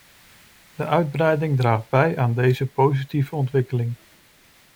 De uitbreiding draagt bij aan deze positieve ontwikkeling.